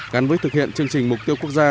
gắn với thực hiện chương trình mục tiêu quốc gia